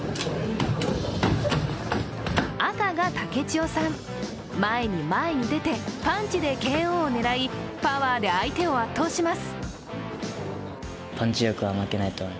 赤が武智代さん、前に前に出て、パンチでＫＯを狙いパワーで相手を圧倒します。